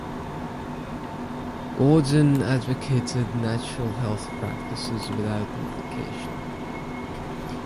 Gordon advocated natural health practices without medication.